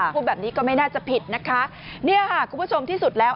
พูดแบบนี้ก็ไม่น่าจะผิดนะคะเนี่ยค่ะคุณผู้ชมที่สุดแล้ว